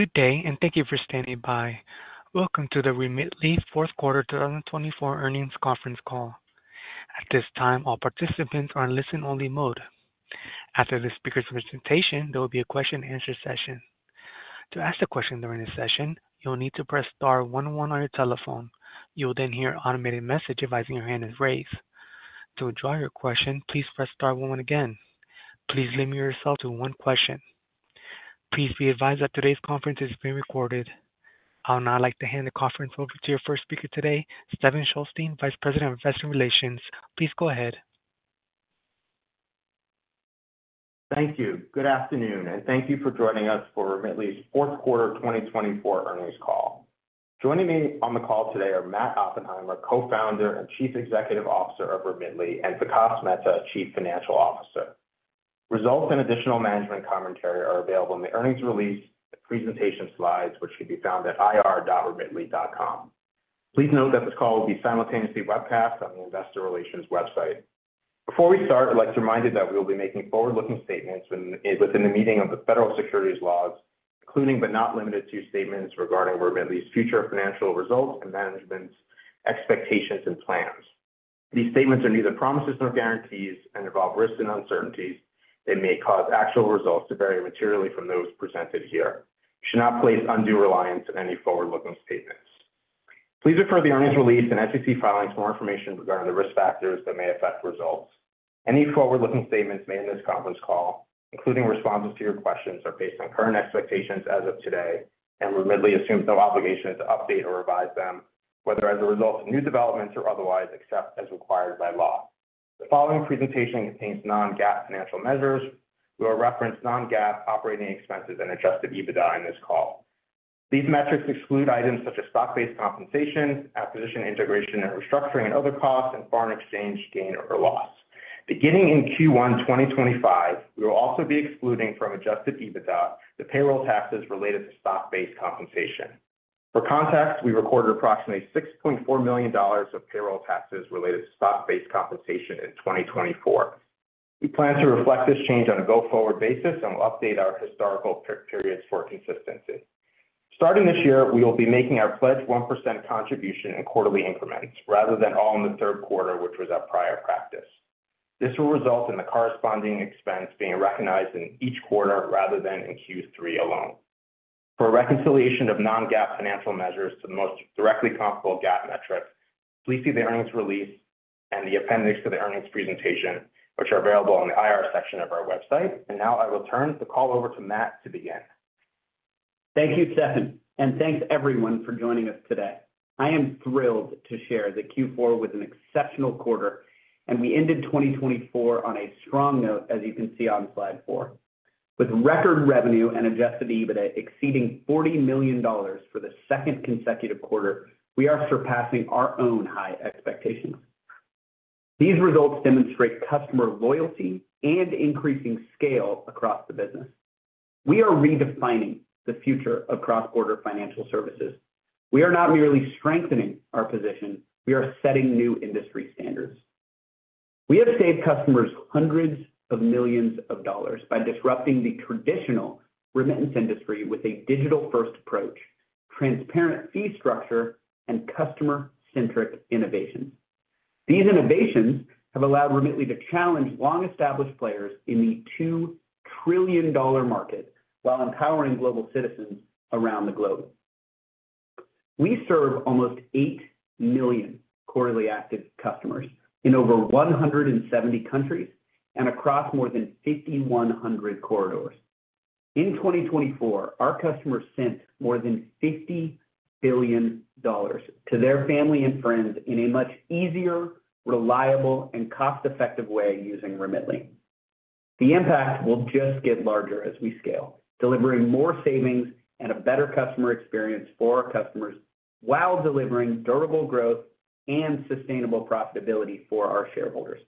Good day, and thank you for standing by. Welcome to the Remitly Fourth Quarter 2024 Earnings Conference Call. At this time, all participants are in listen-only mode. After the speaker's presentation, there will be a question-and-answer session. To ask a question during this session, you'll need to press star one one on your telephone. You'll then hear an automated message advising your hand is raised. To withdraw your question, please press star one one again. Please limit yourself to one question. Please be advised that today's conference is being recorded. I would now like to hand the conference over to your first speaker today, Stephen Shulstein, Vice President of Investor Relations. Please go ahead. Thank you. Good afternoon, and thank you for joining us for Remitly's Fourth Quarter 2024 Earnings Call. Joining me on the call today are Matt Oppenheimer, Co-Founder and Chief Executive Officer of Remitly, and Vikas Mehta, Chief Financial Officer. Results and additional management commentary are available in the earnings release and presentation slides, which can be found at ir.remitly.com. Please note that this call will be simultaneously webcast on the Investor Relations website. Before we start, I'd like to remind you that we will be making forward-looking statements within the meaning of the federal securities laws, including but not limited to statements regarding Remitly's future financial results and management expectations and plans. These statements are neither promises nor guarantees and involve risks and uncertainties. They may cause actual results to vary materially from those presented here. You should not place undue reliance on any forward-looking statements. Please refer to the earnings release and SEC filings for more information regarding the risk factors that may affect results. Any forward-looking statements made in this conference call, including responses to your questions, are based on current expectations as of today and Remitly assumes no obligation to update or revise them, whether as a result of new developments or otherwise, except as required by law. The following presentation contains non-GAAP financial measures. We will reference non-GAAP operating expenses and adjusted EBITDA in this call. These metrics exclude items such as stock-based compensation, acquisition integration and restructuring, and other costs and foreign exchange gain or loss. Beginning in Q1 2025, we will also be excluding from adjusted EBITDA the payroll taxes related to stock-based compensation. For context, we recorded approximately $6.4 million of payroll taxes related to stock-based compensation in 2024. We plan to reflect this change on a go-forward basis and will update our historical periods for consistency. Starting this year, we will be making our Pledge 1% contribution in quarterly increments rather than all in the third quarter, which was our prior practice. This will result in the corresponding expense being recognized in each quarter rather than in Q3 alone. For reconciliation of non-GAAP financial measures to the most directly comparable GAAP metrics, please see the earnings release and the appendix to the earnings presentation, which are available on the IR section of our website. And now I will turn the call over to Matt to begin. Thank you, Stephen, and thanks everyone for joining us today. I am thrilled to share that Q4 was an exceptional quarter, and we ended 2024 on a strong note, as you can see on slide four. With record revenue and adjusted EBITDA exceeding $40 million for the second consecutive quarter, we are surpassing our own high expectations. These results demonstrate customer loyalty and increasing scale across the business. We are redefining the future of cross-border financial services. We are not merely strengthening our position. We are setting new industry standards. We have saved customers hundreds of millions of dollars by disrupting the traditional remittance industry with a digital-first approach, transparent fee structure, and customer-centric innovations. These innovations have allowed Remitly to challenge long-established players in the $2 trillion market while empowering global citizens around the globe. We serve almost 8 million quarterly active customers in over 170 countries and across more than 5,100 corridors. In 2024, our customers sent more than $50 billion to their family and friends in a much easier, reliable, and cost-effective way using Remitly. The impact will just get larger as we scale, delivering more savings and a better customer experience for our customers while delivering durable growth and sustainable profitability for our shareholders.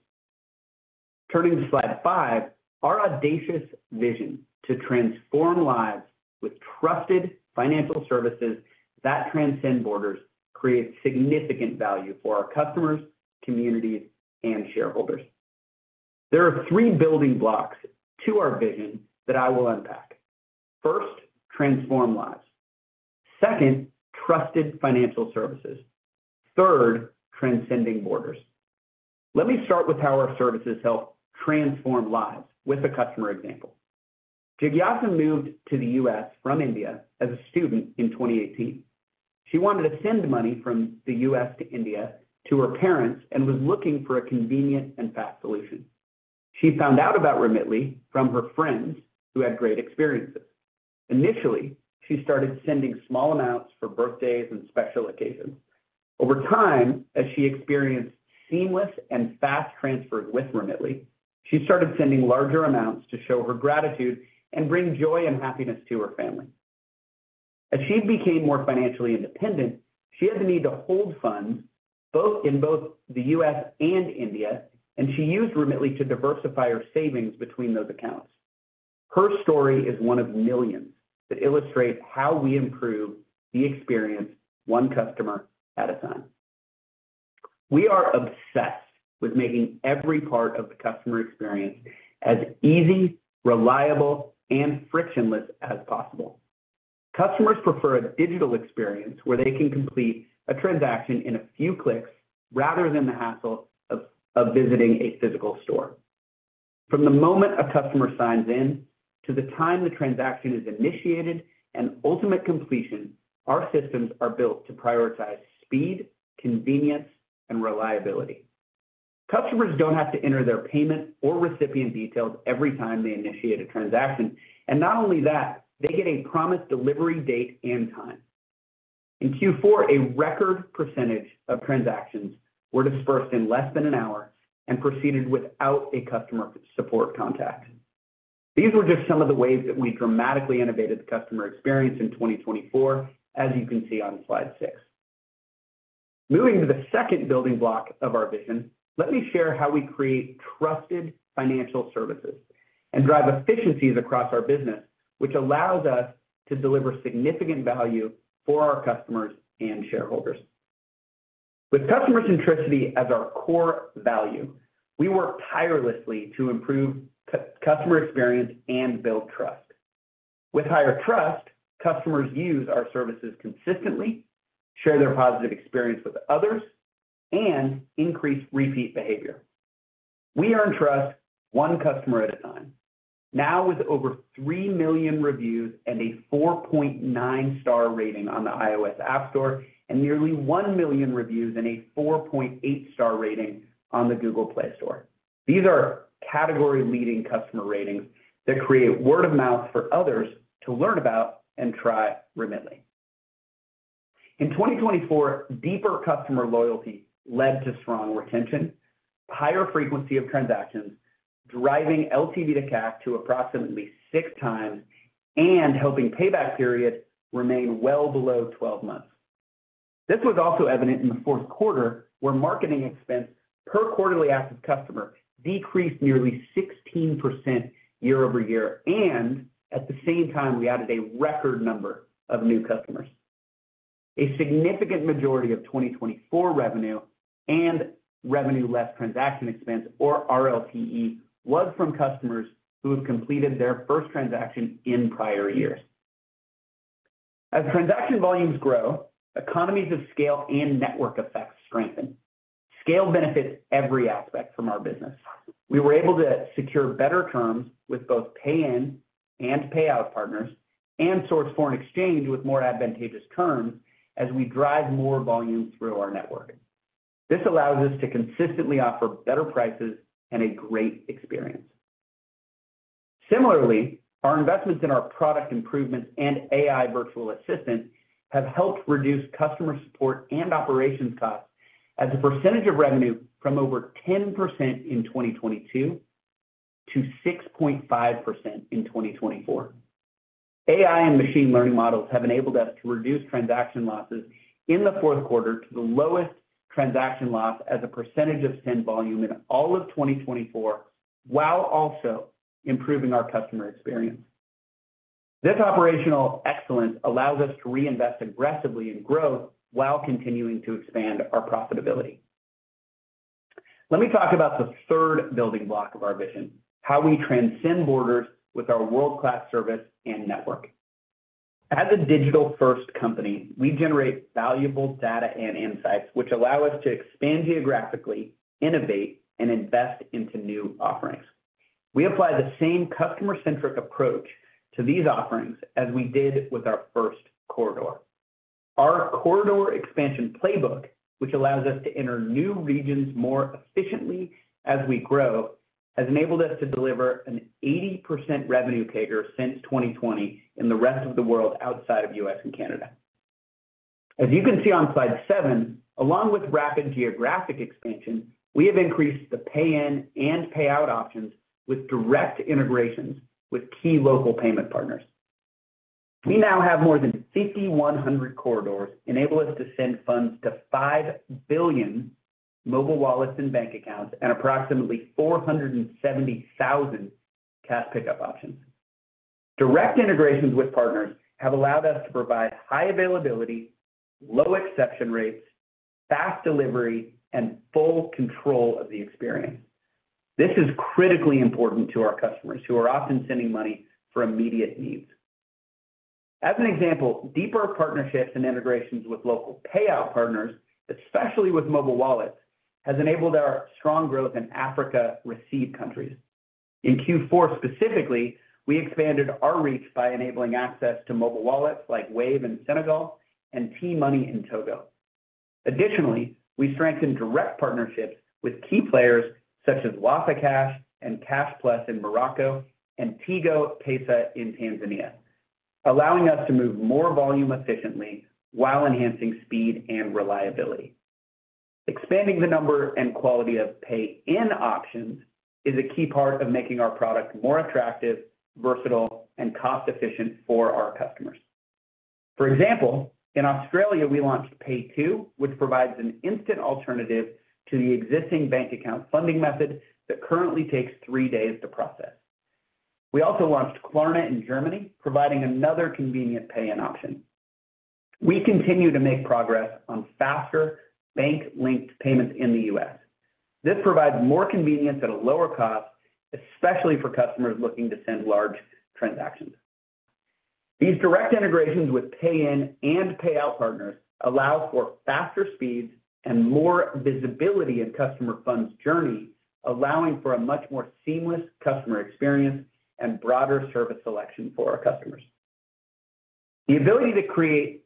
Turning to slide five, our audacious vision to transform lives with trusted financial services that transcend borders creates significant value for our customers, communities, and shareholders. There are three building blocks to our vision that I will unpack. First, transform lives. Second, trusted financial services. Third, transcending borders. Let me start with how our services help transform lives with a customer example. Jigyasa moved to the U.S. from India as a student in 2018. She wanted to send money from the U.S. to India to her parents and was looking for a convenient and fast solution. She found out about Remitly from her friends who had great experiences. Initially, she started sending small amounts for birthdays and special occasions. Over time, as she experienced seamless and fast transfers with Remitly, she started sending larger amounts to show her gratitude and bring joy and happiness to her family. As she became more financially independent, she had the need to hold funds both in the U.S. and India, and she used Remitly to diversify her savings between those accounts. Her story is one of millions that illustrate how we improve the experience one customer at a time. We are obsessed with making every part of the customer experience as easy, reliable, and frictionless as possible. Customers prefer a digital experience where they can complete a transaction in a few clicks rather than the hassle of visiting a physical store. From the moment a customer signs in to the time the transaction is initiated and ultimate completion, our systems are built to prioritize speed, convenience, and reliability. Customers don't have to enter their payment or recipient details every time they initiate a transaction, and not only that, they get a promised delivery date and time. In Q4, a record percentage of transactions were disbursed in less than an hour and proceeded without a customer support contact. These were just some of the ways that we dramatically innovated the customer experience in 2024, as you can see on slide six. Moving to the second building block of our vision, let me share how we create trusted financial services and drive efficiencies across our business, which allows us to deliver significant value for our customers and shareholders. With customer centricity as our core value, we work tirelessly to improve customer experience and build trust. With higher trust, customers use our services consistently, share their positive experience with others, and increase repeat behavior. We earn trust one customer at a time. Now, with over 3 million reviews and a 4.9-star rating on the iOS App Store and nearly 1 million reviews and a 4.8-star rating on the Google Play Store, these are category-leading customer ratings that create word of mouth for others to learn about and try Remitly. In 2024, deeper customer loyalty led to strong retention, higher frequency of transactions, driving LTV-to-CAC to approximately six times, and helping payback periods remain well below 12 months. This was also evident in the fourth quarter, where marketing expense per quarterly active customer decreased nearly 16% year-over-year. And at the same time, we added a record number of new customers. A significant majority of 2024 revenue and revenue less transaction expense, or RLTE, was from customers who have completed their first transaction in prior years. As transaction volumes grow, economies of scale and network effects strengthen. Scale benefits every aspect of our business. We were able to secure better terms with both pay-in and pay-out partners and source foreign exchange with more advantageous terms as we drive more volume through our network. This allows us to consistently offer better prices and a great experience. Similarly, our investments in our product improvements and AI virtual assistant have helped reduce customer support and operations costs as a percentage of revenue from over 10% in 2022 to 6.5% in 2024. AI and machine learning models have enabled us to reduce transaction losses in the fourth quarter to the lowest transaction loss as a percentage of send volume in all of 2024, while also improving our customer experience. This operational excellence allows us to reinvest aggressively in growth while continuing to expand our profitability. Let me talk about the third building block of our vision, how we transcend borders with our world-class service and network. As a digital-first company, we generate valuable data and insights, which allow us to expand geographically, innovate, and invest into new offerings. We apply the same customer-centric approach to these offerings as we did with our first corridor. Our corridor expansion playbook, which allows us to enter new regions more efficiently as we grow, has enabled us to deliver an 80% revenue CAGR since 2020 in the rest of the world outside of the U.S. and Canada. As you can see on slide seven, along with rapid geographic expansion, we have increased the pay-in and pay-out options with direct integrations with key local payment partners. We now have more than 5,100 corridors enable us to send funds to 5 billion mobile wallets and bank accounts and approximately 470,000 cash pickup options. Direct integrations with partners have allowed us to provide high availability, low exception rates, fast delivery, and full control of the experience. This is critically important to our customers who are often sending money for immediate needs. As an example, deeper partnerships and integrations with local payout partners, especially with mobile wallets, have enabled our strong growth in Africa receive countries. In Q4 specifically, we expanded our reach by enabling access to mobile wallets like Wave in Senegal and TMoney in Togo. Additionally, we strengthened direct partnerships with key players such as Wafacash and Cash Plus in Morocco and Tigo Pesa in Tanzania, allowing us to move more volume efficiently while enhancing speed and reliability. Expanding the number and quality of pay-in options is a key part of making our product more attractive, versatile, and cost-efficient for our customers. For example, in Australia, we launched PayTo, which provides an instant alternative to the existing bank account funding method that currently takes three days to process. We also launched Klarna in Germany, providing another convenient pay-in option. We continue to make progress on faster bank-linked payments in the U.S. This provides more convenience at a lower cost, especially for customers looking to send large transactions. These direct integrations with pay-in and pay-out partners allow for faster speeds and more visibility in customer funds journey, allowing for a much more seamless customer experience and broader service selection for our customers. The ability to create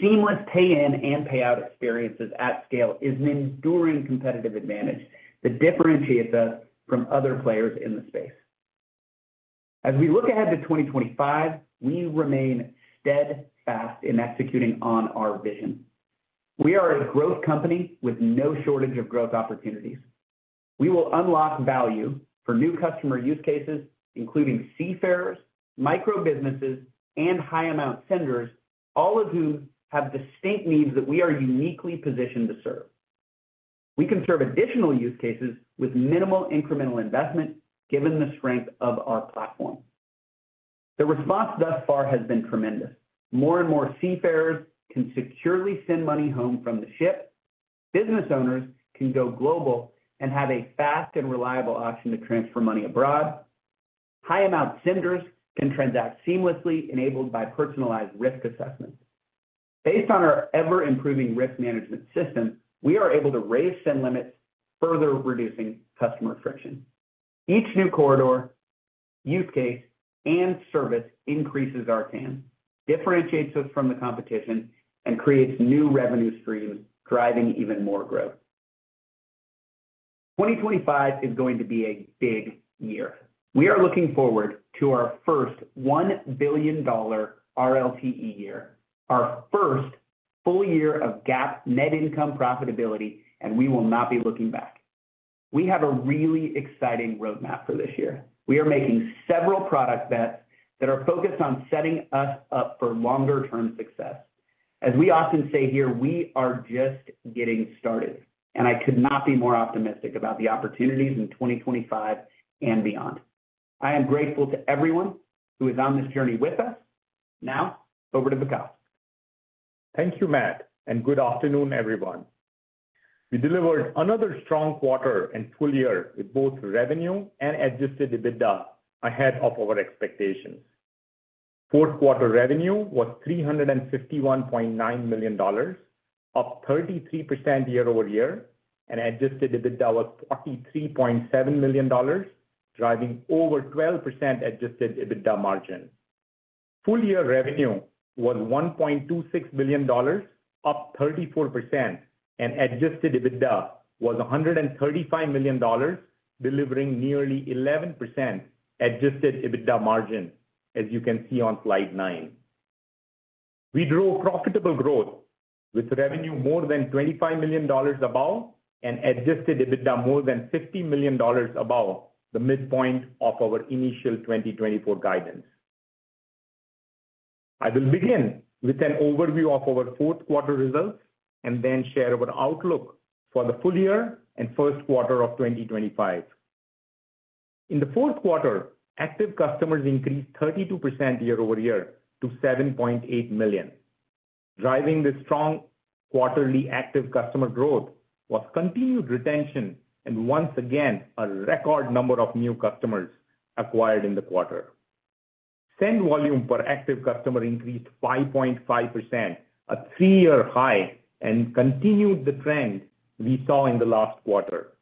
seamless pay-in and pay-out experiences at scale is an enduring competitive advantage that differentiates us from other players in the space. As we look ahead to 2025, we remain steadfast in executing on our vision. We are a growth company with no shortage of growth opportunities. We will unlock value for new customer use cases, including seafarers, micro-businesses, and high-amount senders, all of whom have distinct needs that we are uniquely positioned to serve. We can serve additional use cases with minimal incremental investment, given the strength of our platform. The response thus far has been tremendous. More and more seafarers can securely send money home from the ship. Business owners can go global and have a fast and reliable option to transfer money abroad. High-amount senders can transact seamlessly, enabled by personalized risk assessments. Based on our ever-improving risk management system, we are able to raise send limits, further reducing customer friction. Each new corridor, use case, and service increases our TAM, differentiates us from the competition, and creates new revenue streams, driving even more growth. 2025 is going to be a big year. We are looking forward to our first $1 billion RLTE year, our first full year of GAAP net income profitability, and we will not be looking back. We have a really exciting roadmap for this year. We are making several product bets that are focused on setting us up for longer-term success. As we often say here, we are just getting started, and I could not be more optimistic about the opportunities in 2025 and beyond. I am grateful to everyone who is on this journey with us. Now, over to Vikas. Thank you, Matt, and good afternoon, everyone. We delivered another strong quarter and full year with both revenue and adjusted EBITDA ahead of our expectations. Fourth quarter revenue was $351.9 million, up 33% year-over-year, and adjusted EBITDA was $43.7 million, driving over 12% adjusted EBITDA margin. Full year revenue was $1.26 billion, up 34%, and adjusted EBITDA was $135 million, delivering nearly 11% adjusted EBITDA margin, as you can see on slide nine. We drove profitable growth with revenue more than $25 million above and adjusted EBITDA more than $50 million above the midpoint of our initial 2024 guidance. I will begin with an overview of our fourth quarter results and then share our outlook for the full year and first quarter of 2025. In the fourth quarter, active customers increased 32% year-over-year to 7.8 million. Driving the strong quarterly active customer growth was continued retention and once again a record number of new customers acquired in the quarter. Send volume per active customer increased 5.5%, a three-year high, and continued the trend we saw in the last quarter.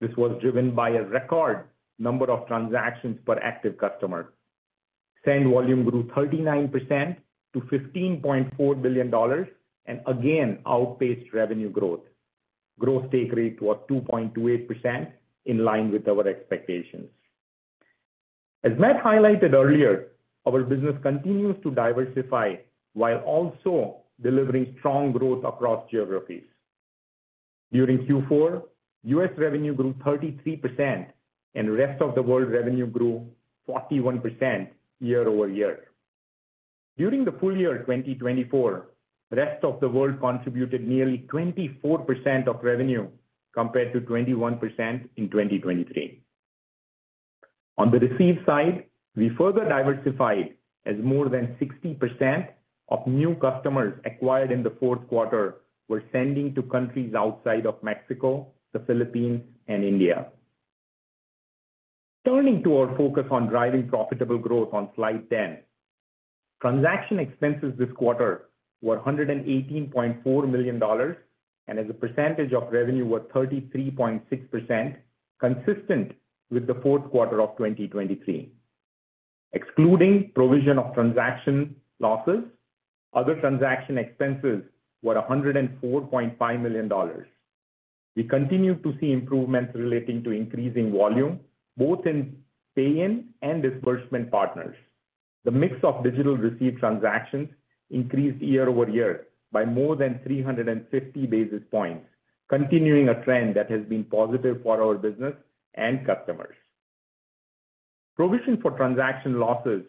This was driven by a record number of transactions per active customer. Send volume grew 39% to $15.4 billion and again outpaced revenue growth. Gross take rate was 2.28%, in line with our expectations. As Matt highlighted earlier, our business continues to diversify while also delivering strong growth across geographies. During Q4, U.S. revenue grew 33% and rest of the world revenue grew 41% year-over-year. During the full year 2024, rest of the world contributed nearly 24% of revenue compared to 21% in 2023. On the receipt side, we further diversified as more than 60% of new customers acquired in the fourth quarter were sending to countries outside of Mexico, the Philippines, and India. Turning to our focus on driving profitable growth on slide ten, transaction expenses this quarter were $118.4 million, and as a percentage of revenue were 33.6%, consistent with the fourth quarter of 2023. Excluding provision of transaction losses, other transaction expenses were $104.5 million. We continue to see improvements relating to increasing volume, both in pay-in and disbursement partners. The mix of digital receipt transactions increased year-over-year by more than 350 basis points, continuing a trend that has been positive for our business and customers. Provision for transaction losses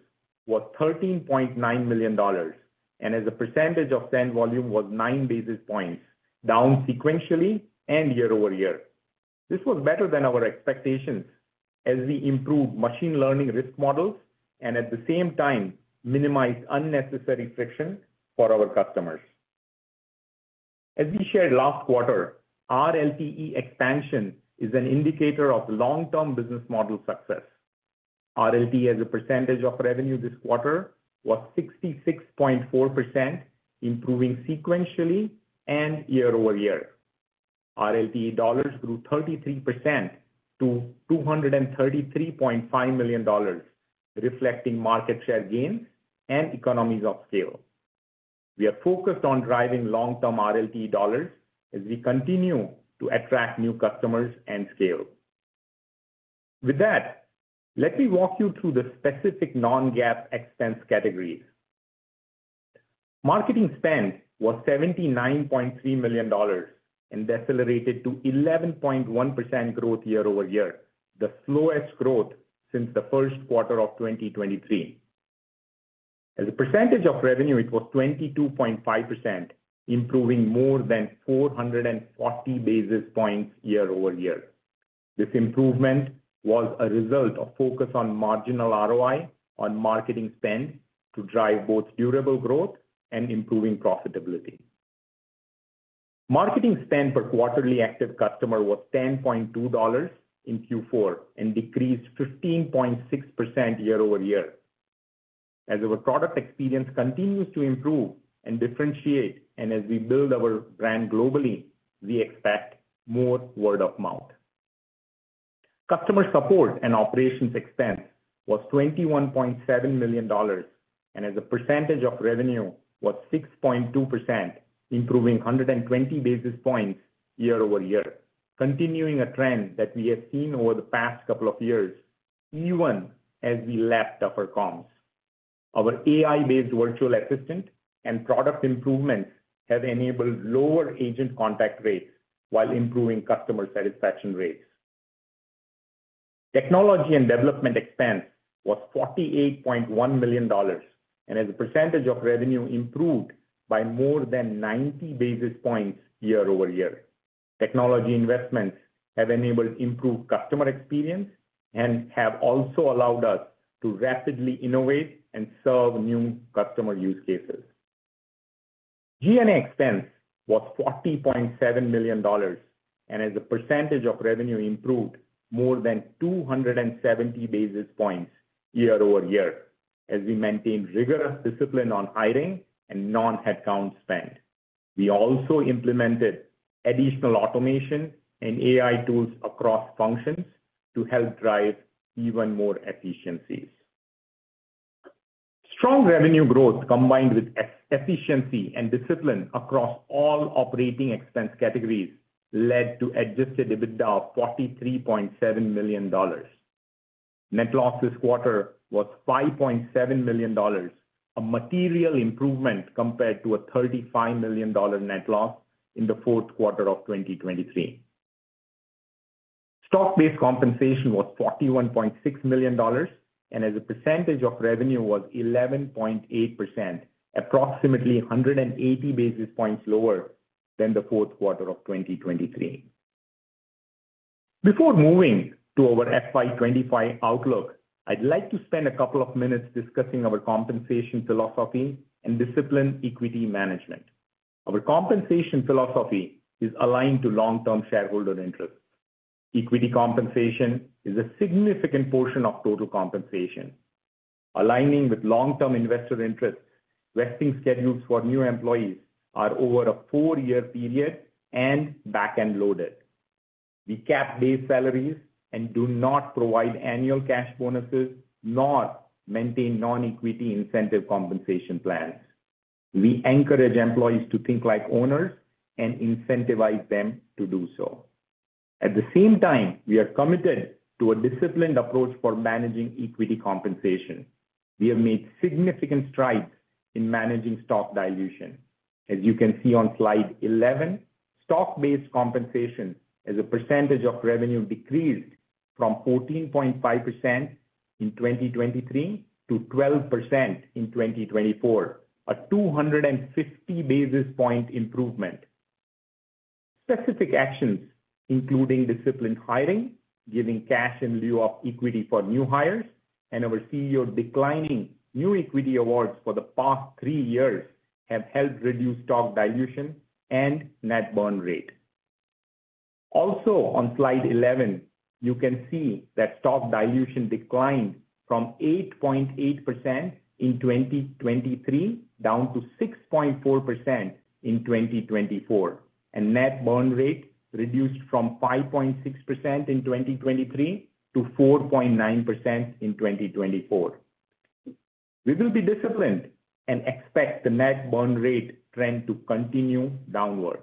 was $13.9 million, and as a percentage of send volume was nine basis points, down sequentially and year-over-year. This was better than our expectations as we improved machine learning risk models and at the same time minimized unnecessary friction for our customers. As we shared last quarter, RLTE expansion is an indicator of long-term business model success. RLTE, as a percentage of revenue this quarter, was 66.4%, improving sequentially and year-over-year. RLTE dollars grew 33% to $233.5 million, reflecting market share gains and economies of scale. We are focused on driving long-term RLTE dollars as we continue to attract new customers and scale. With that, let me walk you through the specific non-GAAP expense categories. Marketing spend was $79.3 million and decelerated to 11.1% growth year-over-year, the slowest growth since the first quarter of 2023. As a percentage of revenue, it was 22.5%, improving more than 440 basis points year-over-year. This improvement was a result of focus on marginal ROI on marketing spend to drive both durable growth and improving profitability. Marketing spend per quarterly active customer was $10.2 in Q4 and decreased 15.6% year-over-year. As our product experience continues to improve and differentiate, and as we build our brand globally, we expect more word of mouth. Customer support and operations expense was $21.7 million, and as a percentage of revenue, it was 6.2%, improving 120 basis points year-over-year, continuing a trend that we have seen over the past couple of years, even as we scaled up our comms. Our AI-based virtual assistant and product improvements have enabled lower agent contact rates while improving customer satisfaction rates. Technology and development expense was $48.1 million, and as a percentage of revenue, it improved by more than 90 basis points year-over-year. Technology investments have enabled improved customer experience and have also allowed us to rapidly innovate and serve new customer use cases. G&A expense was $40.7 million, and as a percentage of revenue, it improved more than 270 basis points year-over-year as we maintained rigorous discipline on hiring and non-headcount spend. We also implemented additional automation and AI tools across functions to help drive even more efficiencies. Strong revenue growth combined with efficiency and discipline across all operating expense categories led to adjusted EBITDA of $43.7 million. Net loss this quarter was $5.7 million, a material improvement compared to a $35 million net loss in the fourth quarter of 2023. Stock-based compensation was $41.6 million, and as a percentage of revenue, it was 11.8%, approximately 180 basis points lower than the fourth quarter of 2023. Before moving to our FY25 outlook, I'd like to spend a couple of minutes discussing our compensation philosophy and discipline equity management. Our compensation philosophy is aligned to long-term shareholder interests. Equity compensation is a significant portion of total compensation. Aligning with long-term investor interests, vesting schedules for new employees are over a four-year period and back-end loaded. We cap base salaries and do not provide annual cash bonuses, nor maintain non-equity incentive compensation plans. We encourage employees to think like owners and incentivize them to do so. At the same time, we are committed to a disciplined approach for managing equity compensation. We have made significant strides in managing stock dilution. As you can see on slide 11, stock-based compensation, as a percentage of revenue, decreased from 14.5% in 2023 to 12% in 2024, a 250 basis point improvement. Specific actions, including disciplined hiring, giving cash in lieu of equity for new hires, and our CEO declining new equity awards for the past three years, have helped reduce stock dilution and net burn rate. Also, on slide 11, you can see that stock dilution declined from 8.8% in 2023 down to 6.4% in 2024, and net burn rate reduced from 5.6% in 2023 to 4.9% in 2024. We will be disciplined and expect the net burn rate trend to continue downward.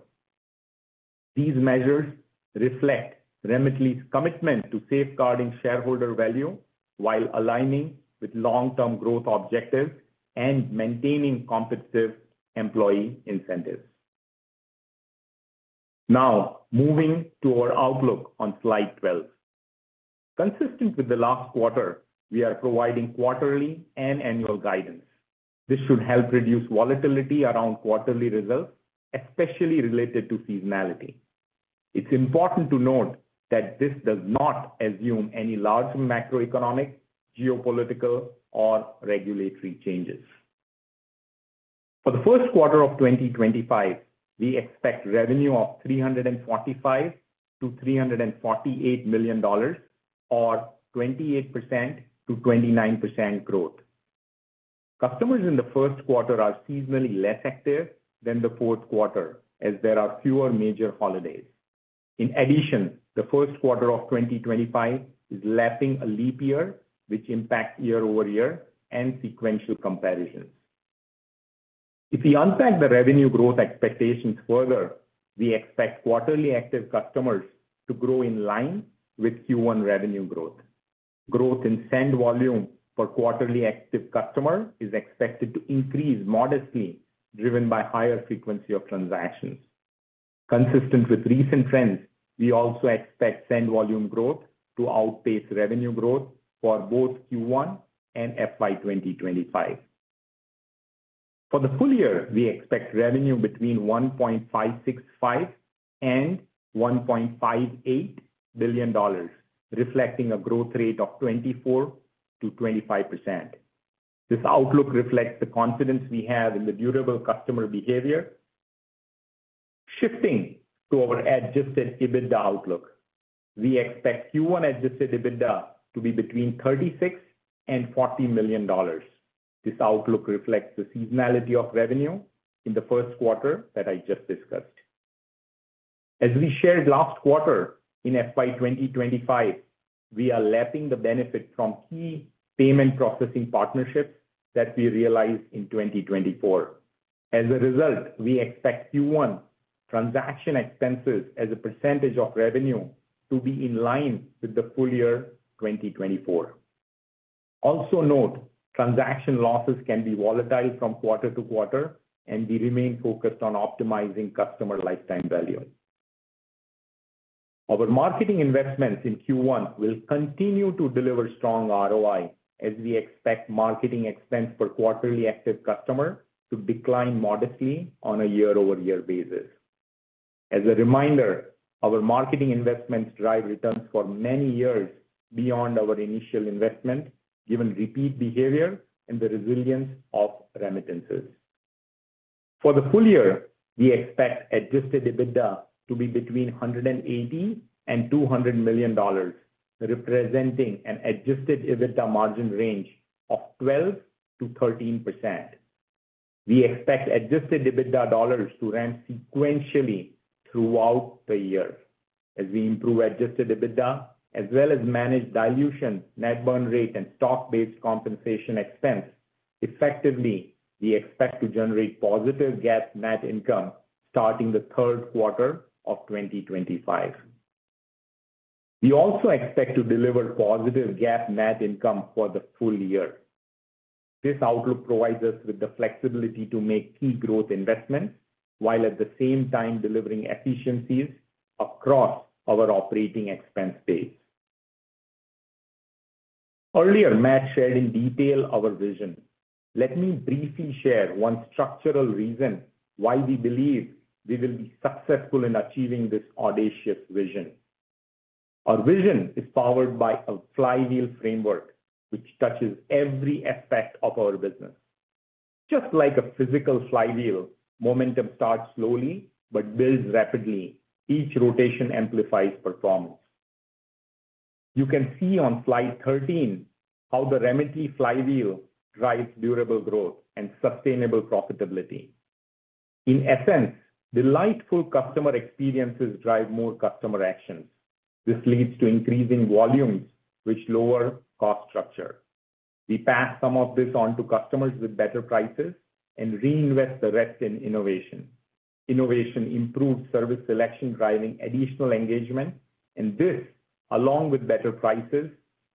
These measures reflect Remitly's commitment to safeguarding shareholder value while aligning with long-term growth objectives and maintaining competitive employee incentives. Now, moving to our outlook on slide 12. Consistent with the last quarter, we are providing quarterly and annual guidance. This should help reduce volatility around quarterly results, especially related to seasonality. It's important to note that this does not assume any large macroeconomic, geopolitical, or regulatory changes. For the first quarter of 2025, we expect revenue of $345 million-$348 million, or 28%-29% growth. Customers in the first quarter are seasonally less active than the fourth quarter, as there are fewer major holidays. In addition, the first quarter of 2025 is lapping a leap year, which impacts year-over-year and sequential comparisons. If we unpack the revenue growth expectations further, we expect quarterly active customers to grow in line with Q1 revenue growth. Growth in send volume per quarterly active customer is expected to increase modestly, driven by higher frequency of transactions. Consistent with recent trends, we also expect send volume growth to outpace revenue growth for both Q1 and FY2025. For the full year, we expect revenue between $1.565 billion-$1.58 billion, reflecting a growth rate of 24%-25%. This outlook reflects the confidence we have in the durable customer behavior. Shifting to our adjusted EBITDA outlook, we expect Q1 adjusted EBITDA to be between $36 million-$40 million. This outlook reflects the seasonality of revenue in the first quarter that I just discussed. As we shared last quarter, in FY2025, we are lapping the benefit from key payment processing partnerships that we realized in 2024. As a result, we expect Q1 transaction expenses, as a percentage of revenue, to be in line with the full year 2024. Also note, transaction losses can be volatile from quarter-to-quarter, and we remain focused on optimizing customer lifetime value. Our marketing investments in Q1 will continue to deliver strong ROI, as we expect marketing expense per quarterly active customer to decline modestly on a year-over-year basis. As a reminder, our marketing investments drive returns for many years beyond our initial investment, given repeat behavior and the resilience of remittances. For the full year, we expect adjusted EBITDA to be between $180 million and $200 million, representing an adjusted EBITDA margin range of 12% to 13%. We expect adjusted EBITDA dollars to ramp sequentially throughout the year. As we improve adjusted EBITDA, as well as manage dilution, net burn rate, and stock-based compensation expense, effectively, we expect to generate positive GAAP net income starting the third quarter of 2025. We also expect to deliver positive GAAP net income for the full year. This outlook provides us with the flexibility to make key growth investments while at the same time delivering efficiencies across our operating expense base. Earlier, Matt shared in detail our vision. Let me briefly share one structural reason why we believe we will be successful in achieving this audacious vision. Our vision is powered by a flywheel framework, which touches every aspect of our business. Just like a physical flywheel, momentum starts slowly but builds rapidly. Each rotation amplifies performance. You can see on slide 13 how the Remitly Flywheel drives durable growth and sustainable profitability. In essence, delightful customer experiences drive more customer actions. This leads to increasing volumes, which lower cost structure. We pass some of this on to customers with better prices and reinvest the rest in innovation. Innovation improves service selection, driving additional engagement, and this, along with better prices,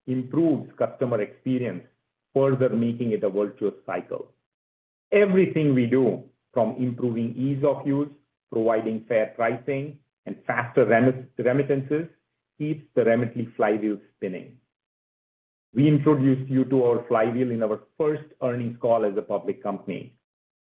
improves customer experience, further making it a virtuous cycle. Everything we do, from improving ease of use, providing fair pricing, and faster remittances, keeps the Remitly Flywheel spinning. We introduced you to our flywheel in our first earnings call as a public company.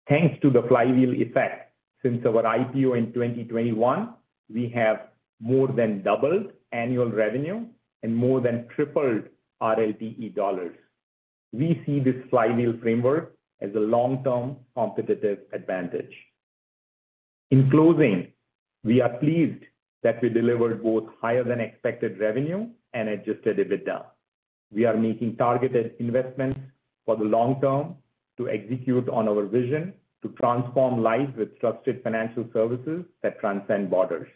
Thanks to the flywheel effect, since our IPO in 2021, we have more than doubled annual revenue and more than tripled RLTE dollars. We see this flywheel framework as a long-term competitive advantage. In closing, we are pleased that we delivered both higher-than-expected revenue and adjusted EBITDA. We are making targeted investments for the long term to execute on our vision to transform lives with trusted financial services that transcend borders.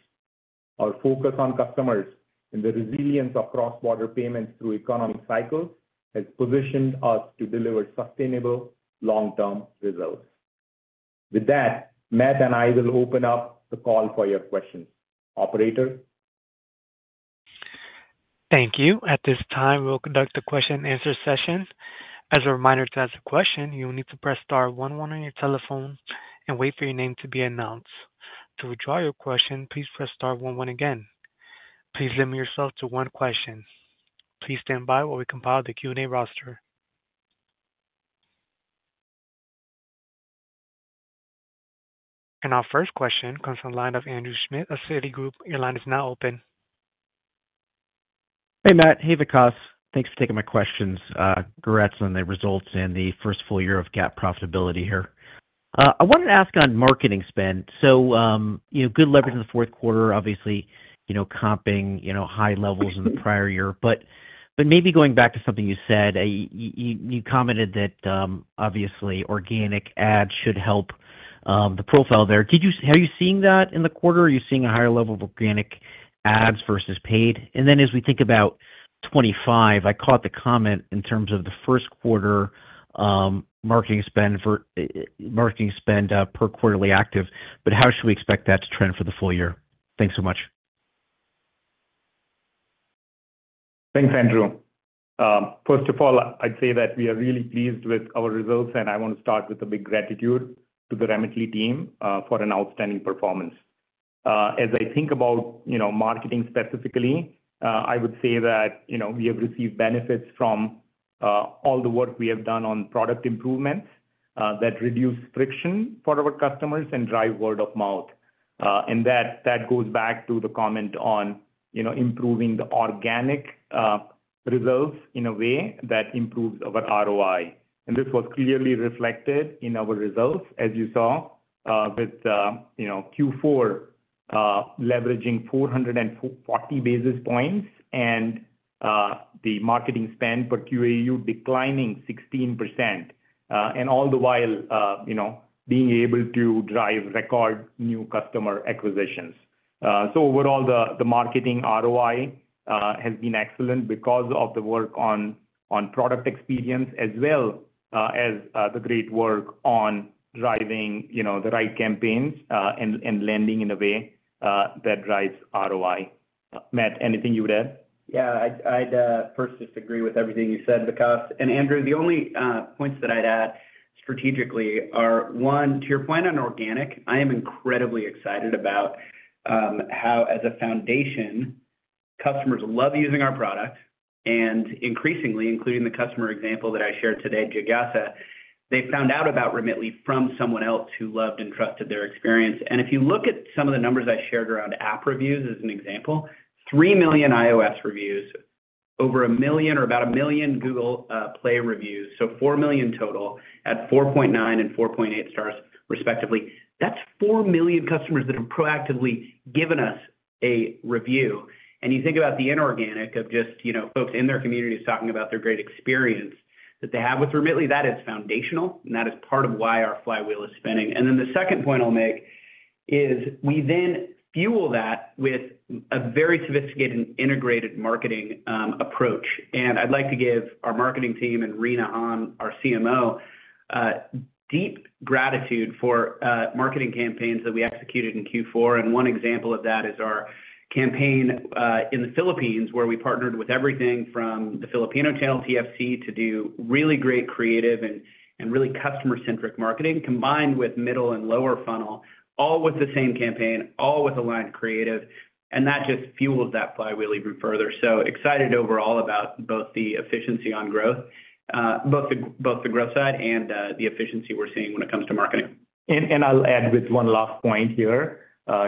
Our focus on customers and the resilience of cross-border payments through economic cycles has positioned us to deliver sustainable long-term results. With that, Matt and I will open up the call for your questions. Operator. Thank you. At this time, we'll conduct the question-and-answer session. As a reminder to ask a question, you'll need to press star one one on your telephone and wait for your name to be announced. To withdraw your question, please press star one one again. Please limit yourself to one question. Please stand by while we compile the Q&A roster. And our first question comes from the line of Andrew Schmidt of Citigroup. Your line is now open. Hey, Matt. Hey, Vikas. Thanks for taking my questions. Congrats on the results and the first full year of GAAP profitability here. I wanted to ask on marketing spend. So good leverage in the fourth quarter, obviously comping high levels in the prior year. But maybe going back to something you said, you commented that obviously organic ads should help the profile there. Are you seeing that in the quarter? Are you seeing a higher level of organic ads versus paid? And then as we think about 2025, I caught the comment in terms of the first quarter marketing spend per quarterly active. But how should we expect that to trend for the full year? Thanks so much. Thanks, Andrew. First of all, I'd say that we are really pleased with our results, and I want to start with a big gratitude to the Remitly team for an outstanding performance. As I think about marketing specifically, I would say that we have received benefits from all the work we have done on product improvements that reduce friction for our customers and drive word of mouth, and that goes back to the comment on improving the organic results in a way that improves our ROI, and this was clearly reflected in our results, as you saw, with Q4 leveraging 440 basis points and the marketing spend per QAU declining 16%, and all the while being able to drive record new customer acquisitions, so overall, the marketing ROI has been excellent because of the work on product experience, as well as the great work on driving the right campaigns and lending in a way that drives ROI. Matt, anything you would add? Yeah. I'd first just agree with everything you said, Vikas. And Andrew, the only points that I'd add strategically are, one, to your point on organic, I am incredibly excited about how, as a foundation, customers love using our product. And increasingly, including the customer example that I shared today, Jigyasa, they found out about Remitly from someone else who loved and trusted their experience. And if you look at some of the numbers I shared around app reviews as an example, 3 million iOS reviews, over a million or about a million Google Play reviews, so four million total at 4.9 and 4.8 stars, respectively. That's 4 million customers that have proactively given us a review. And you think about the inorganic of just folks in their communities talking about their great experience that they have with Remitly. That is foundational, and that is part of why our flywheel is spinning. Then the second point I'll make is we then fuel that with a very sophisticated and integrated marketing approach. I'd like to give our marketing team and Rina Hahn, our CMO, deep gratitude for marketing campaigns that we executed in Q4. One example of that is our campaign in the Philippines, where we partnered with everything from The Filipino Channel TFC to do really great creative and really customer-centric marketing, combined with middle and lower funnel, all with the same campaign, all with aligned creative. That just fueled that flywheel even further. I'm so excited overall about both the efficiency on growth, both the growth side and the efficiency we're seeing when it comes to marketing. I'll add with one last point here.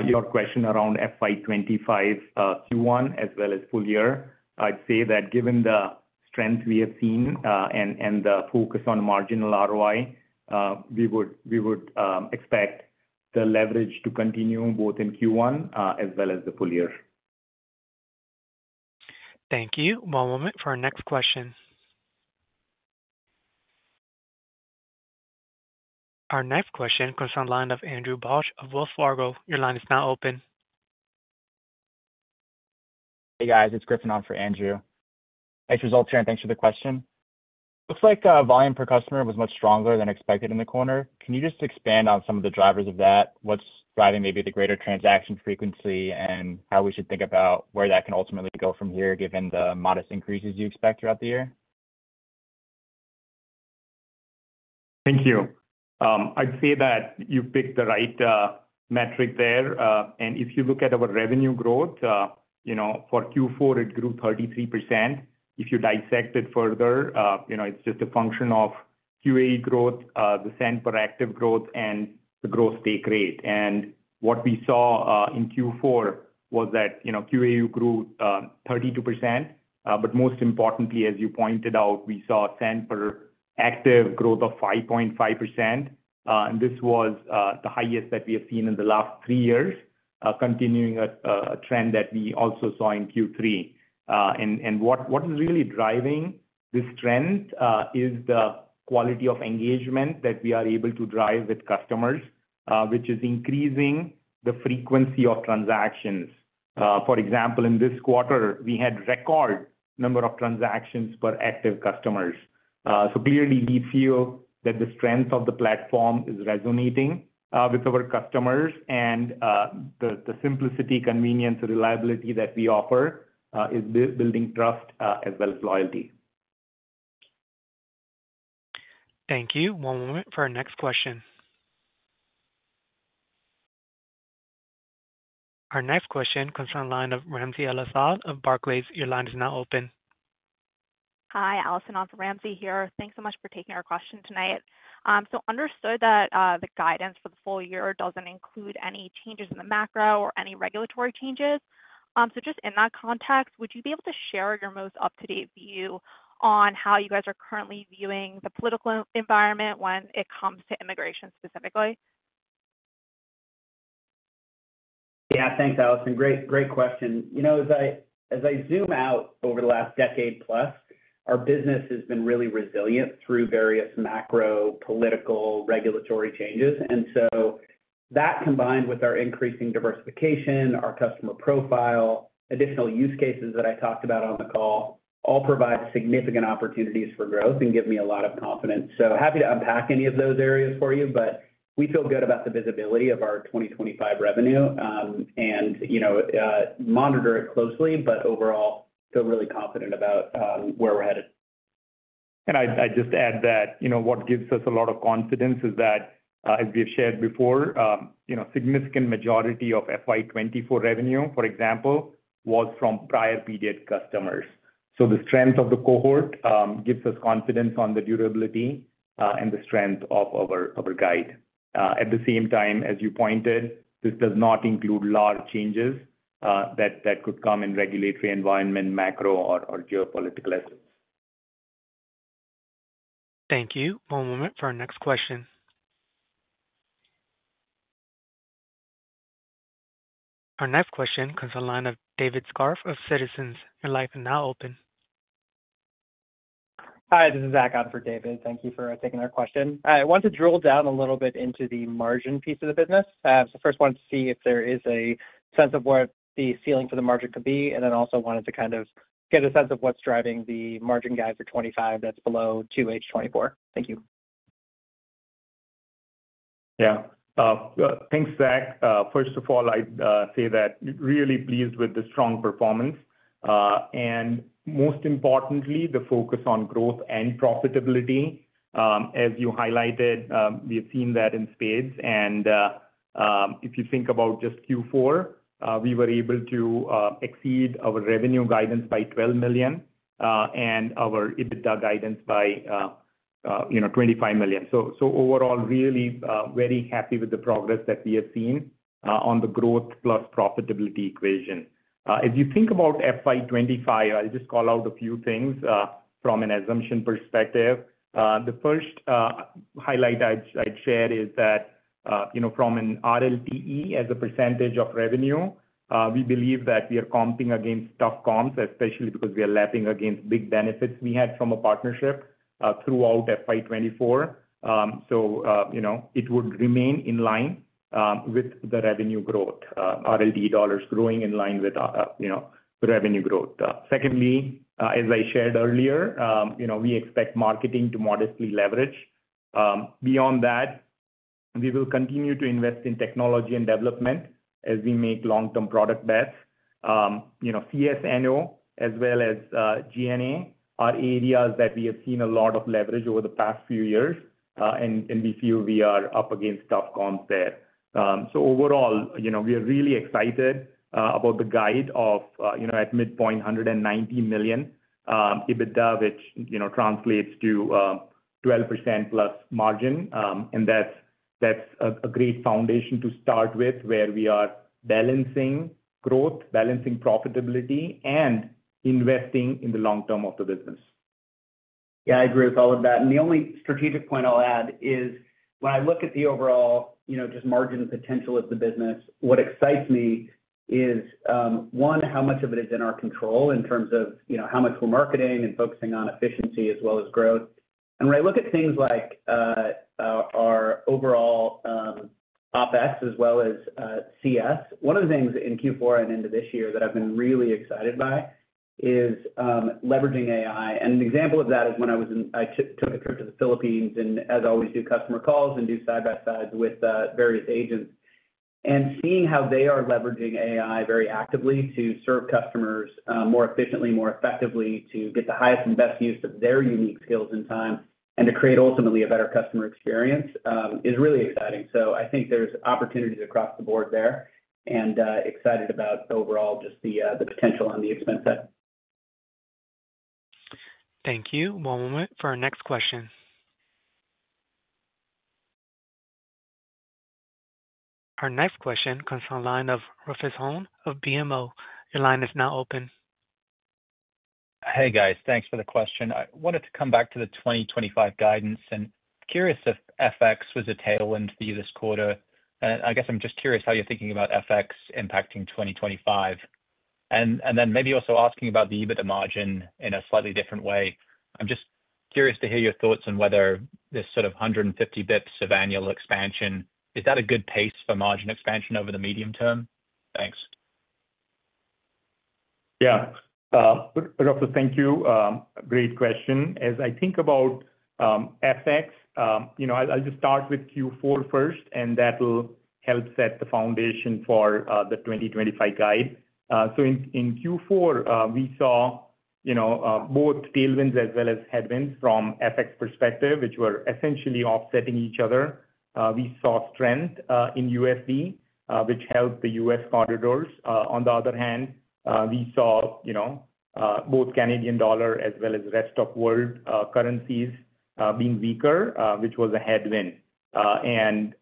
Your question around FY25 Q1 as well as full year, I'd say that given the strength we have seen and the focus on marginal ROI, we would expect the leverage to continue both in Q1 as well as the full year. Thank you. One moment for our next question. Our next question comes from the line of Andrew Bauch of Wells Fargo. Your line is now open. Hey, guys. It's Griffin on for Andrew. Thanks for the results here, and thanks for the question. Looks like volume per customer was much stronger than expected in the quarter. Can you just expand on some of the drivers of that? What's driving maybe the greater transaction frequency and how we should think about where that can ultimately go from here, given the modest increases you expect throughout the year? Thank you. I'd say that you picked the right metric there. If you look at our revenue growth, for Q4, it grew 33%. If you dissect it further, it's just a function of QAU growth, the send per active growth, and the take rate growth. What we saw in Q4 was that QAU grew 32%. Most importantly, as you pointed out, we saw send per active growth of 5.5%. This was the highest that we have seen in the last three years, continuing a trend that we also saw in Q3. What is really driving this trend is the quality of engagement that we are able to drive with customers, which is increasing the frequency of transactions. For example, in this quarter, we had record number of transactions per active customers. So clearly, we feel that the strength of the platform is resonating with our customers, and the simplicity, convenience, and reliability that we offer is building trust as well as loyalty. Thank you. One moment for our next question. Our next question comes from the line of Ramsey El-Assal of Barclays. Your line is now open. Hi, Allison for Ramsey here. Thanks so much for taking our question tonight. So understood that the guidance for the full year doesn't include any changes in the macro or any regulatory changes. So just in that context, would you be able to share your most up-to-date view on how you guys are currently viewing the political environment when it comes to immigration specifically? Yeah. Thanks, Allison. Great question. As I zoom out over the last decade plus, our business has been really resilient through various macro political regulatory changes. And so that combined with our increasing diversification, our customer profile, additional use cases that I talked about on the call, all provide significant opportunities for growth and give me a lot of confidence. So happy to unpack any of those areas for you, but we feel good about the visibility of our 2025 revenue and monitor it closely, but overall, feel really confident about where we're headed. And I'd just add that what gives us a lot of confidence is that, as we've shared before, a significant majority of FY24 revenue, for example, was from prior period customers. So the strength of the cohort gives us confidence on the durability and the strength of our guide. At the same time, as you pointed, this does not include large changes that could come in regulatory environment, macro, or geopolitical events. Thank you. One moment for our next question. Our next question comes from the line of David Scharf of Citizens JMP. Your line is now open. Hi. This is Zach on behalf of David. Thank you for taking our question. I want to drill down a little bit into the margin piece of the business. So first, I wanted to see if there is a sense of where the ceiling for the margin could be, and then also wanted to kind of get a sense of what's driving the margin guide for '25 that's below 2H24. Thank you. Yeah. Thanks, Zach. First of all, I'd say that really pleased with the strong performance. And most importantly, the focus on growth and profitability, as you highlighted, we have seen that in spades. And if you think about just Q4, we were able to exceed our revenue guidance by $12 million and our EBITDA guidance by $25 million. So overall, really very happy with the progress that we have seen on the growth plus profitability equation. As you think about FY25, I'll just call out a few things from an assumption perspective. The first highlight I'd share is that from an RLTE as a percentage of revenue, we believe that we are comping against tough comps, especially because we are lapping against big benefits we had from a partnership throughout FY24. So it would remain in line with the revenue growth, RLTE dollars growing in line with revenue growth. Secondly, as I shared earlier, we expect marketing to modestly leverage. Beyond that, we will continue to invest in technology and development as we make long-term product bets. CS&O, as well as G&A, are areas that we have seen a lot of leverage over the past few years, and we feel we are up against tough comps there. Overall, we are really excited about the guidance of, at midpoint, $190 million EBITDA, which translates to 12%+ margin. That's a great foundation to start with where we are balancing growth, balancing profitability, and investing in the long term of the business. Yeah. I agree with all of that. The only strategic point I'll add is when I look at the overall just margin potential of the business, what excites me is, one, how much of it is in our control in terms of how much we're marketing and focusing on efficiency as well as growth. When I look at things like our overall OPEX as well as CS, one of the things in Q4 and into this year that I've been really excited by is leveraging AI. And an example of that is when I took a trip to the Philippines and, as always, do customer calls and do side-by-sides with various agents. And seeing how they are leveraging AI very actively to serve customers more efficiently, more effectively, to get the highest and best use of their unique skills in time and to create ultimately a better customer experience is really exciting. So I think there's opportunities across the board there, and excited about overall just the potential on the expense side. Thank you. One moment for our next question. Our next question comes from the line of Rufus Hone of BMO. Your line is now open. Hey, guys. Thanks for the question. I wanted to come back to the 2025 guidance and curious if FX was a tailwind for you this quarter. And I guess I'm just curious how you're thinking about FX impacting 2025. And then maybe also asking about the EBITDA margin in a slightly different way. I'm just curious to hear your thoughts on whether this sort of 150 bps of annual expansion is that a good pace for margin expansion over the medium term? Thanks. Yeah. Rufus, thank you. Great question. As I think about FX, I'll just start with Q4 first, and that will help set the foundation for the 2025 guide. So in Q4, we saw both tailwinds as well as headwinds from FX perspective, which were essentially offsetting each other. We saw strength in USD, which helped the U.S. corridors. On the other hand, we saw both Canadian dollar as well as rest of world currencies being weaker, which was a headwind. And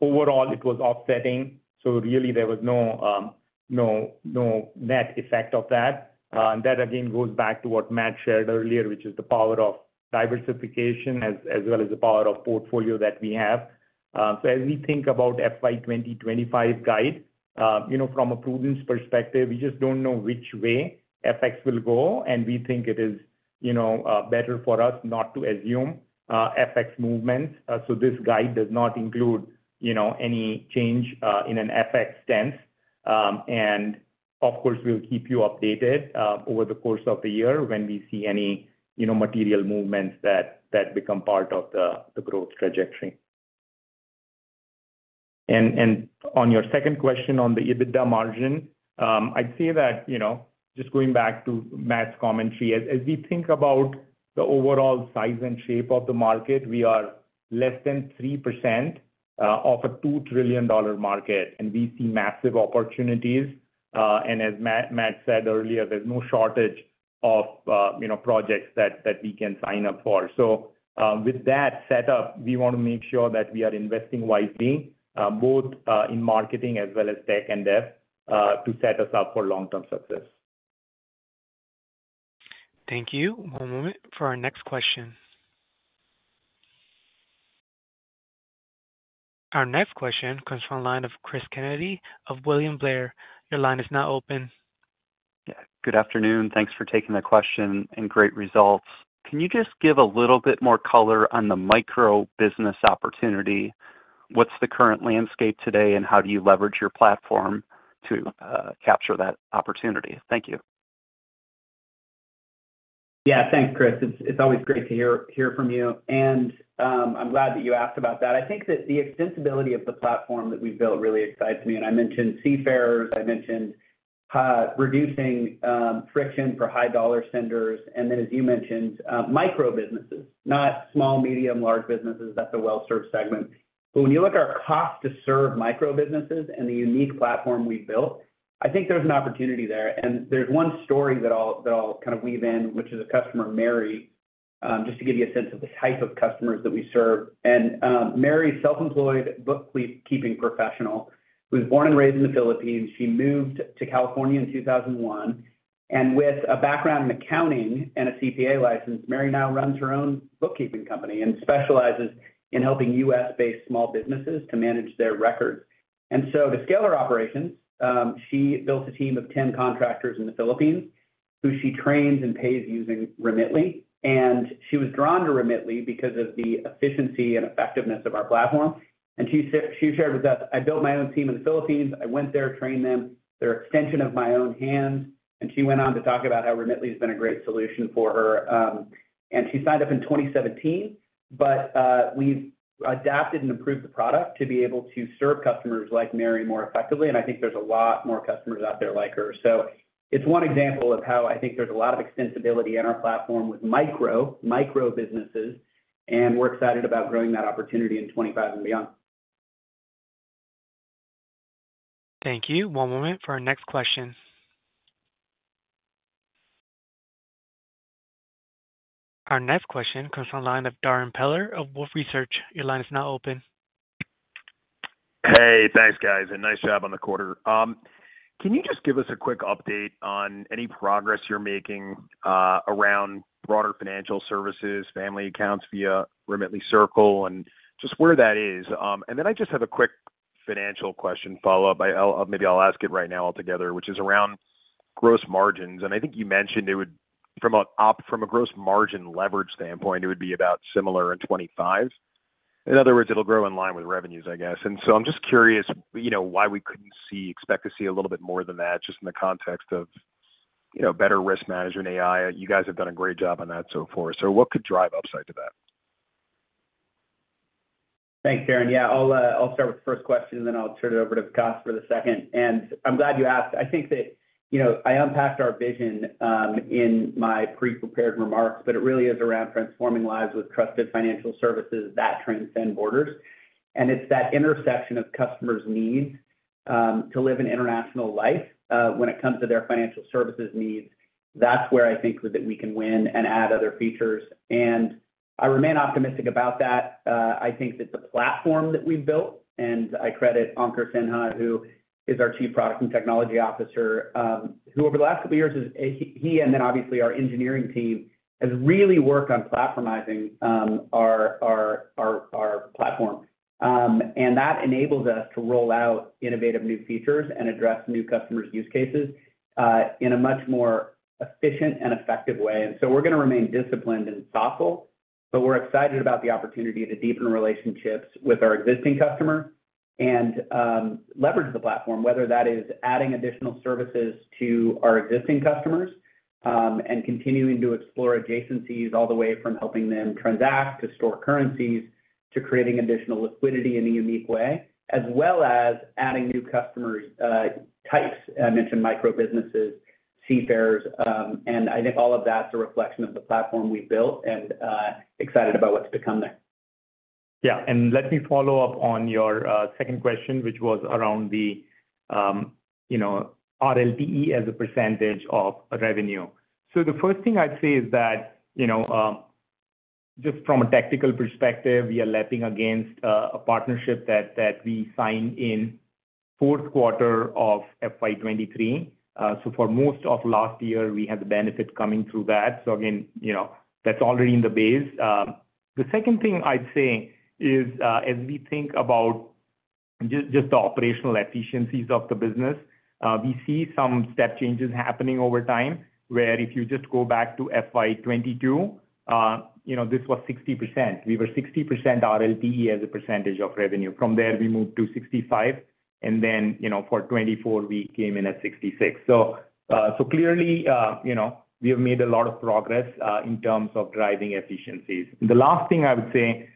overall, it was offsetting. So really, there was no net effect of that. And that, again, goes back to what Matt shared earlier, which is the power of diversification as well as the power of portfolio that we have. So as we think about FY2025 guide, from a prudence perspective, we just don't know which way FX will go, and we think it is better for us not to assume FX movements. So this guide does not include any change in an FX stance. And of course, we'll keep you updated over the course of the year when we see any material movements that become part of the growth trajectory. And on your second question on the EBITDA margin, I'd say that just going back to Matt's commentary, as we think about the overall size and shape of the market, we are less than 3% of a $2 trillion market, and we see massive opportunities. And as Matt said earlier, there's no shortage of projects that we can sign up for. So with that setup, we want to make sure that we are investing wisely, both in marketing as well as tech and dev, to set us up for long-term success. Thank you. One moment for our next question. Our next question comes from the line of Cris Kennedy of William Blair. Your line is now open. Yeah. Good afternoon. Thanks for taking the question and great results. Can you just give a little bit more color on the micro-business opportunity? What's the current landscape today, and how do you leverage your platform to capture that opportunity? Thank you. Yeah. Thanks, Chris. It's always great to hear from you. And I'm glad that you asked about that. I think that the extensibility of the platform that we've built really excites me. I mentioned seafarers. I mentioned reducing friction for high dollar senders. Then, as you mentioned, micro businesses, not small, medium, large businesses. That's a well-served segment. But when you look at our cost to serve micro businesses and the unique platform we've built, I think there's an opportunity there. There's one story that I'll kind of weave in, which is a customer, Mary, just to give you a sense of the type of customers that we serve. Mary is a self-employed bookkeeping professional. She was born and raised in the Philippines. She moved to California in 2001. With a background in accounting and a CPA license, Mary now runs her own bookkeeping company and specializes in helping U.S.-based small businesses to manage their records. And so to scale her operations, she built a team of 10 contractors in the Philippines who she trains and pays using Remitly. She was drawn to Remitly because of the efficiency and effectiveness of our platform. She shared with us, "I built my own team in the Philippines. I went there, trained them, they're an extension of my own hands." She went on to talk about how Remitly has been a great solution for her. She signed up in 2017, but we've adapted and improved the product to be able to serve customers like Mary more effectively. I think there's a lot more customers out there like her. It's one example of how I think there's a lot of extensibility in our platform with micro-businesses, and we're excited about growing that opportunity in 2025 and beyond. Thank you. One moment for our next question. Our next question comes from the line of Darren Peller of Wolfe Research. Your line is now open. Hey. Thanks, guys. And nice job on the quarter. Can you just give us a quick update on any progress you're making around broader financial services, family accounts via Remitly Circle, and just where that is? And then I just have a quick financial question follow-up. Maybe I'll ask it right now altogether, which is around gross margins. And I think you mentioned it would, from a gross margin leverage standpoint, it would be about similar in 2025. In other words, it'll grow in line with revenues, I guess. And so I'm just curious why we couldn't expect to see a little bit more than that just in the context of better risk management AI. You guys have done a great job on that so far. So what could drive upside to that? Thanks, Darren. Yeah. I'll start with the first question, and then I'll turn it over to Vikas for the second. And I'm glad you asked. I think that I unpacked our vision in my pre-prepared remarks, but it really is around transforming lives with trusted financial services that transcend borders. And it's that intersection of customers' needs to live an international life when it comes to their financial services needs. That's where I think that we can win and add other features. And I remain optimistic about that. I think that the platform that we've built, and I credit Ankur Sinha, who is our Chief Product and Technology Officer, who over the last couple of years, he and then obviously our engineering team have really worked on platformizing our platform. That enables us to roll out innovative new features and address new customers' use cases in a much more efficient and effective way. So we're going to remain disciplined and thoughtful, but we're excited about the opportunity to deepen relationships with our existing customers and leverage the platform, whether that is adding additional services to our existing customers and continuing to explore adjacencies all the way from helping them transact to store currencies to creating additional liquidity in a unique way, as well as adding new customers' types. I mentioned micro-businesses, seafarers. I think all of that's a reflection of the platform we've built and excited about what's to come there. Yeah. Let me follow up on your second question, which was around the RLTE as a percentage of revenue. So the first thing I'd say is that just from a tactical perspective, we are lapping against a partnership that we signed in fourth quarter of FY 2023. So for most of last year, we had the benefit coming through that. So again, that's already in the base. The second thing I'd say is, as we think about just the operational efficiencies of the business, we see some step changes happening over time where if you just go back to FY 2022, this was 60%. We were 60% RLTE as a percentage of revenue. From there, we moved to 65%, and then for 2024, we came in at 66%. So clearly, we have made a lot of progress in terms of driving efficiencies. The last thing I would say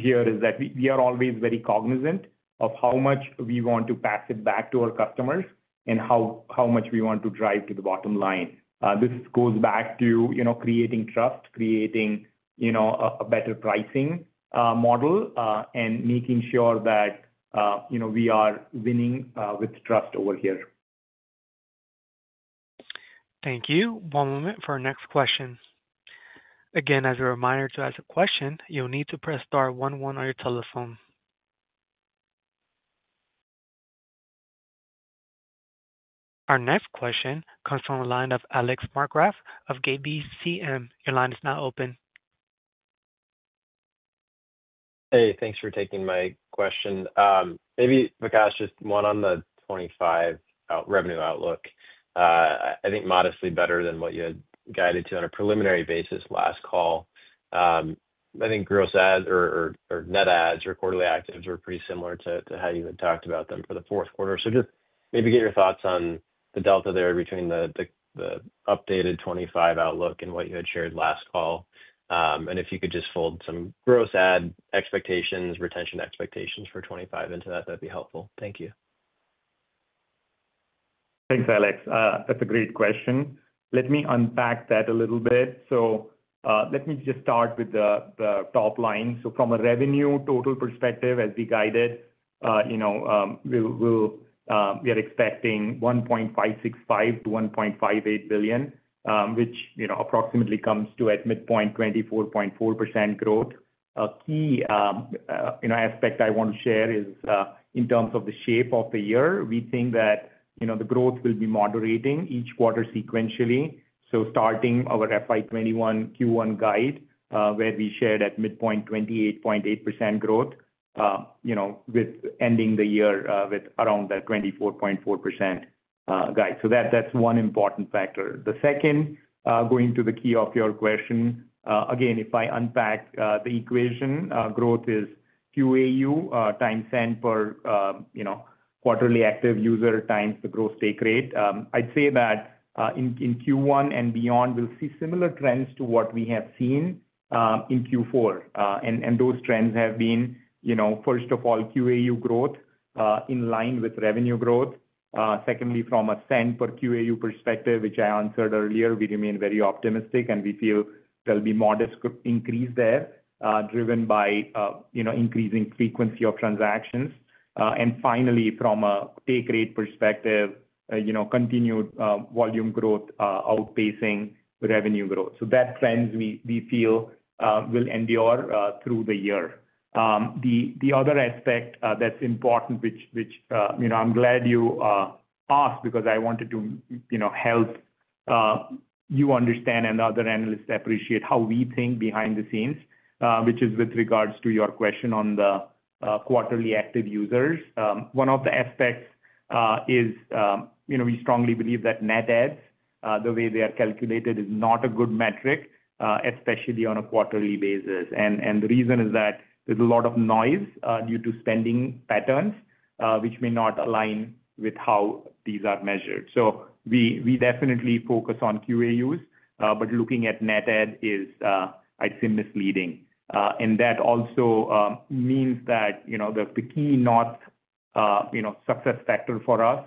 here is that we are always very cognizant of how much we want to pass it back to our customers and how much we want to drive to the bottom line. This goes back to creating trust, creating a better pricing model, and making sure that we are winning with trust over here. Thank you. One moment for our next question. Again, as a reminder to ask a question, you'll need to press star one one on your telephone. Our next question comes from the line of Alex Markgraff of KeyBanc Capital Markets. Your line is now open. Hey. Thanks for taking my question. Maybe, Vikas, just one on the '25 revenue outlook. I think modestly better than what you had guided to on a preliminary basis last call. I think gross adds or net adds or quarterly actives were pretty similar to how you had talked about them for the fourth quarter. So just maybe get your thoughts on the delta there between the updated 2025 outlook and what you had shared last call. And if you could just fold some gross add expectations, retention expectations for 2025 into that, that'd be helpful. Thank you. Thanks, Alex. That's a great question. Let me unpack that a little bit. So let me just start with the top line. So from a revenue total perspective, as we guided, we are expecting $1.565 billion-$1.58 billion, which approximately comes to at midpoint 24.4% growth. A key aspect I want to share is in terms of the shape of the year, we think that the growth will be moderating each quarter sequentially. So starting our FY21 Q1 guide, where we shared at midpoint 28.8% growth with ending the year with around that 24.4% guide. So that's one important factor. The second, going to the key of your question, again, if I unpack the equation, growth is QAU times send per quarterly active user times the gross take rate. I'd say that in Q1 and beyond, we'll see similar trends to what we have seen in Q4. And those trends have been, first of all, QAU growth in line with revenue growth. Secondly, from a send per QAU perspective, which I answered earlier, we remain very optimistic, and we feel there'll be modest increase there driven by increasing frequency of transactions. And finally, from a take rate perspective, continued volume growth outpacing revenue growth. So that trend, we feel, will endure through the year. The other aspect that's important, which I'm glad you asked because I wanted to help you understand and other analysts appreciate how we think behind the scenes, which is with regards to your question on the quarterly active users. One of the aspects is we strongly believe that net adds, the way they are calculated, is not a good metric, especially on a quarterly basis, and the reason is that there's a lot of noise due to spending patterns, which may not align with how these are measured, so we definitely focus on QAUs, but looking at net adds is, I'd say, misleading, and that also means that the key north success factor for us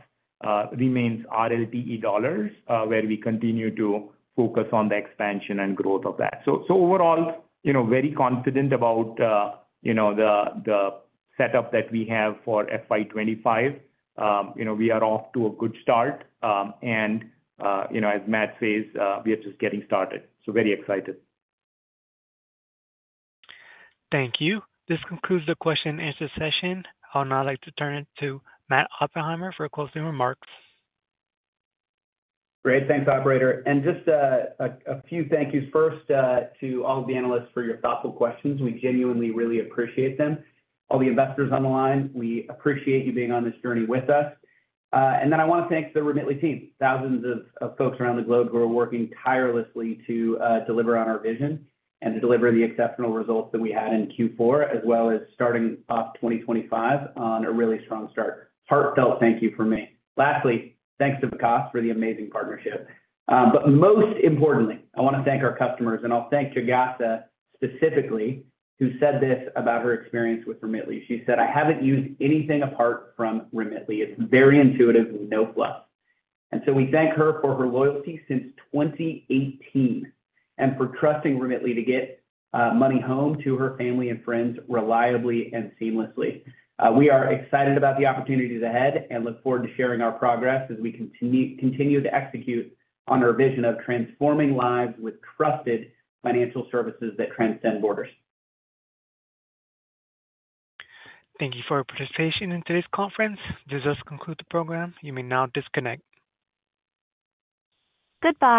remains RLTE dollars, where we continue to focus on the expansion and growth of that, so overall, very confident about the setup that we have for FY25. We are off to a good start. As Matt says, we are just getting started. So very excited. Thank you. This concludes the question-and-answer session. I'll now like to turn it to Matt Oppenheimer for closing remarks. Great. Thanks, operator. And just a few thank yous first to all of the analysts for your thoughtful questions. We genuinely really appreciate them. All the investors on the line, we appreciate you being on this journey with us. And then I want to thank the Remitly team. Thousands of folks around the globe who are working tirelessly to deliver on our vision and to deliver the exceptional results that we had in Q4, as well as starting off 2025 on a really strong start. Heartfelt thank you from me. Lastly, thanks to Vikas for the amazing partnership. But most importantly, I want to thank our customers. And I'll thank Jigyasa specifically, who said this about her experience with Remitly. She said, "I haven't used anything apart from Remitly. It's very intuitive with no fluff." And so we thank her for her loyalty since 2018 and for trusting Remitly to get money home to her family and friends reliably and seamlessly. We are excited about the opportunities ahead and look forward to sharing our progress as we continue to execute on our vision of transforming lives with trusted financial services that transcend borders. Thank you for your participation in today's conference. This does conclude the program. You may now disconnect. Goodbye.